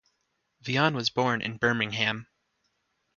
Wyon was born in Birmingham.